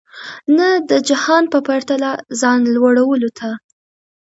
نه د جهان په پرتله ځان لوړولو ته.